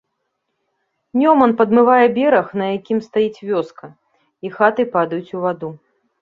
Нёман падмывае бераг, на якім стаіць вёска, і хаты падаюць у ваду.